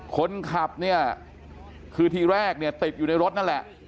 คนขับที่แรกติดอยู่รถนั่นแหละ